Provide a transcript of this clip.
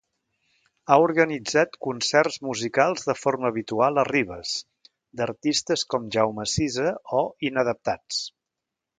Ha organitzat concerts musicals de forma habitual a Ribes, d'artistes com Jaume Sisa o Inadaptats.